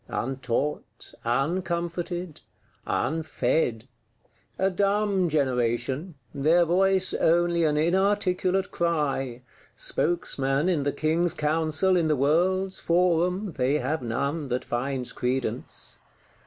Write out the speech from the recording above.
Untaught, uncomforted, unfed! A dumb generation; their voice only an inarticulate cry: spokesman, in the King's Council, in the world's forum, they have none that finds credence.